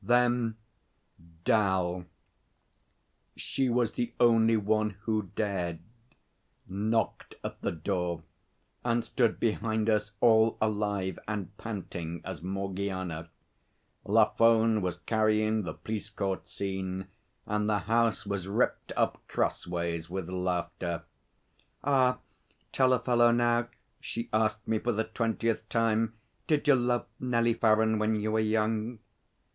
Then 'Dal she was the only one who dared knocked at the door and stood behind us all alive and panting as Morgiana. Lafone was carrying the police court scene, and the house was ripped up crossways with laughter. 'Ah! Tell a fellow now,' she asked me for the twentieth time, 'did you love Nellie Farren when you were young?'